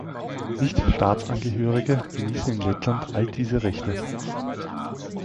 Nichtstaatsangehörige genießen in Lettland all diese Rechte.